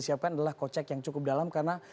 siapkan adalah kocek yang cukup dalam karena